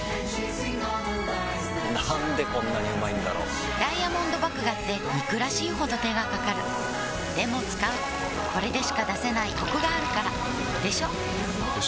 なんでこんなにうまいんだろうダイヤモンド麦芽って憎らしいほど手がかかるでも使うこれでしか出せないコクがあるからでしょよ